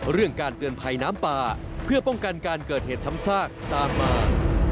เรื่องการเตือนภัยน้ำป่าเพื่อป้องกันการเกิดเหตุซ้ำซากตามมา